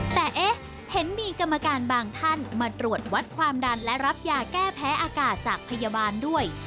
แต่เอ๊ะเห็นมีกรรมการบางท่านมาตรวจวัดความดันและรับยาแก้แพ้อากาศจากพยาบาลด้วย